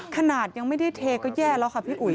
ขนาดยังไม่ได้เทก็แย่แล้วค่ะพี่อุ๋ย